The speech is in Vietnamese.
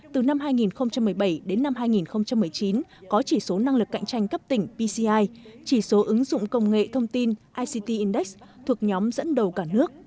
từ năm hai nghìn một mươi bảy đến năm hai nghìn một mươi chín có chỉ số năng lực cạnh tranh cấp tỉnh pci chỉ số ứng dụng công nghệ thông tin ict index thuộc nhóm dẫn đầu cả nước